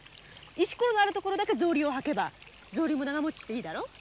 石ころのある所だけ草履を履けば草履も長もちしていいだろ？